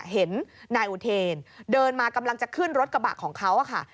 เห็นนายอุเทนเดินมากำลังจะขึ้นรถกระบะของเขาค่ะ